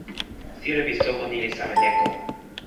sijelo pi soko ni li sama leko.